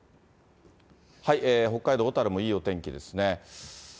小樽もいいお天気ですね。